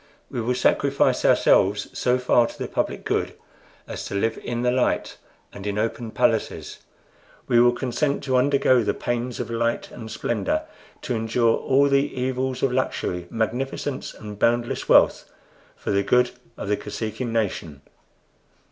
We will sacrifice ourselves so far to the public good as to live in the light, and in open palaces. We will consent to undergo the pains of light and splendor, to endure all the evils of luxury, magnificence, and boundless wealth, for the good of the Kosekin nation.